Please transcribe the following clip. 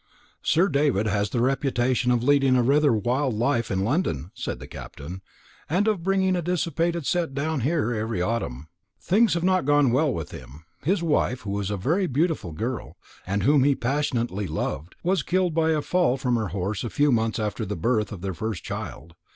"Sir David has the reputation of leading rather a wild life in London," said the Captain, "and of bringing a dissipated set down here every autumn. Things have not gone well with him. His wife, who was a very beautiful girl, and whom he passionately loved, was killed by a fall from her horse a few months after the birth of her first child.